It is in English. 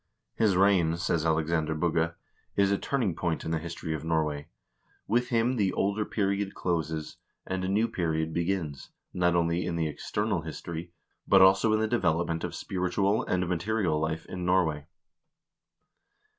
"His reign," says Alexander Bugge, "is a turning point in the his tory of Norway. With him the older period closes, and a new period begins, not only in the external history, but also in the development of spiritual and material life in Norway."